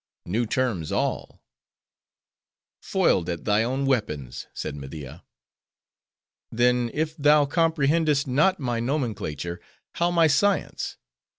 "New terms all!" "Foiled at thy own weapons," said Media. "Then, if thou comprehendest not my nomenclature:—how my science?